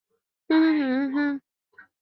叶头风毛菊为菊科风毛菊属的植物。